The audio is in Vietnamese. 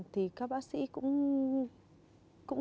thì các bác sĩ cũng